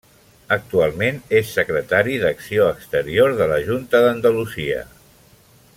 Actualment és secretari d'acció exterior de la Junta d'Andalusia.